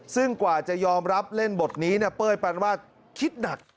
ซึ่งกว่าจะยอมรับเล่นบทนี้เป้ยปานวาดคิดหนัก